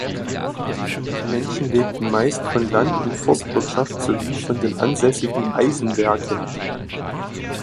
Die Menschen lebten meist von Land- und Forstwirtschaft sowie von den ansässigen Eisenwerken.